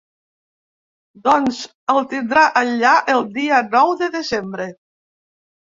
Doncs el tindrà allà el dia nou de Desembre.